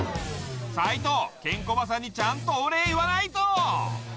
斎藤ケンコバさんにちゃんとお礼言わないと！